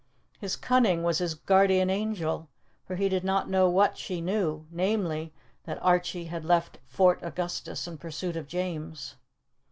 His cunning was his guardian angel; for he did not know what she knew namely, that Archie had left Fort Augustus in pursuit of James.